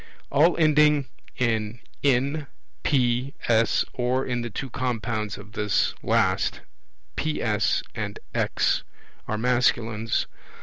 All ending in N, P, S, or in the two compounds of this last, PS and X, are masculines.